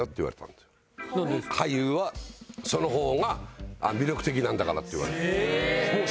俳優はその方が魅力的なんだからって言われて。